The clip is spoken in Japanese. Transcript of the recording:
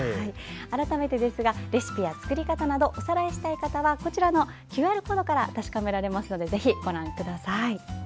改めてですがレシピや作り方などおさらいしたい方はこちらのＱＲコードから確かめられますのでぜひご覧ください。